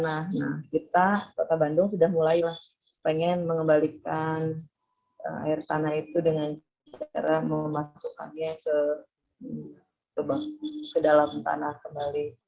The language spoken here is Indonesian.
nah kita kota bandung sudah mulailah pengen mengembalikan air tanah itu dengan cara memasukkannya ke dalam tanah kembali